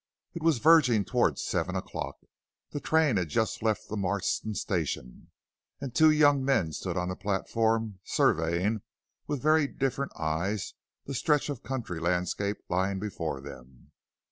It was verging towards seven o'clock. The train had just left Marston station, and two young men stood on the platform surveying with very different eyes the stretch of country landscape lying before them.